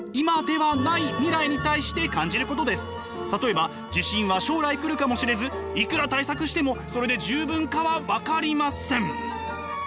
たとえば地震は将来来るかもしれずいくら対策してもそれで十分かは分かりません。